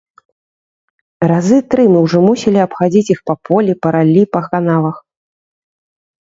Разы тры мы ўжо мусілі абхадзіць іх па полі, па раллі, па канавах.